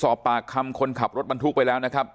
สอบปากคำคนขับรถบรรทุกไปแล้วนะครับ